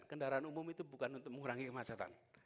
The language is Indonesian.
kendaraan umum itu bukan untuk mengurangi kemacetan